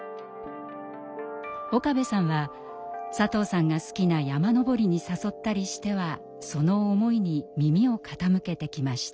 岡部さんは佐藤さんが好きな山登りに誘ったりしてはその思いに耳を傾けてきました。